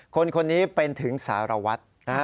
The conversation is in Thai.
คนนี้เป็นถึงสารวัตร